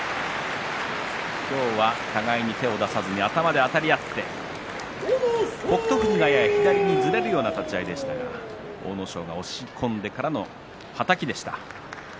今日は互いに手を出さずに頭であたり合って北勝富士が、やや左にずれるような立ち合いでしたが阿武咲が押し込んでからのはたきでした。